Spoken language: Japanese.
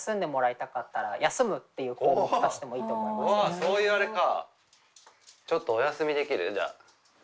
あそういうあれか。